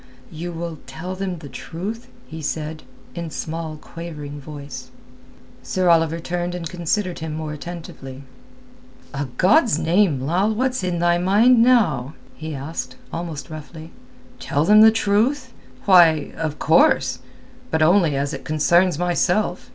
you will tell them the truth?" he said, in small, quavering voice. Sir Oliver turned and considered him more attentively. "A God's name, Lal, what's in thy mind now?" he asked, almost roughly. "Tell them the truth? Why, of course—but only as it concerns myself.